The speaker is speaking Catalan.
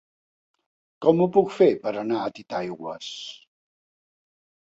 Com ho puc fer per anar a Titaigües?